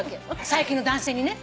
最近の男性にね。